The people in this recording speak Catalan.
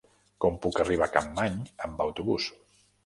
Com puc arribar a Capmany amb autobús?